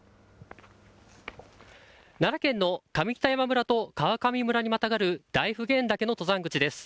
奈良県の上北山村と川上村などにまたがる大普賢岳の登山口です。